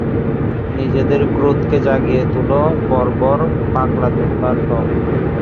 নিজেদের ক্রোধকে জাগিয়ে তোলো, বর্বর, পাগলা যোদ্ধার দল!